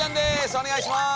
お願いします。